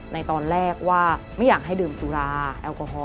ในตอนแรกว่าไม่อยากให้ดื่มสุราแอลกอฮอล